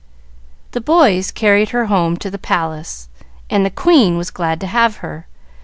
The boys carried her home to the palace, and the queen was glad to have her.